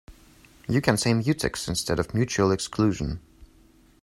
You can say mutex instead of mutual exclusion.